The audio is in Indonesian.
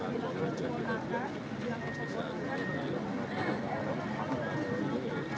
alhamdulillah kita selamat semua